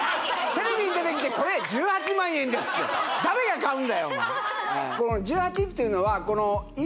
テレビに出てきて「これ１８万円です」って誰が買うんだよ